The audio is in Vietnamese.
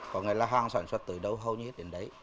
có nghĩa là hàng sản xuất tới đâu hầu như đến đấy